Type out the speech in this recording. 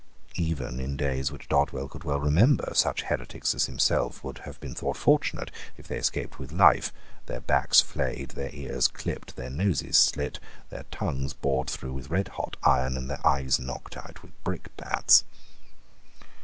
Even in days which Dodwell could well remember, such heretics as himself would have been thought fortunate if they escaped with life, their backs flayed, their ears clipped, their noses slit, their tongues bored through with red hot iron, and their eyes knocked out with brickbats.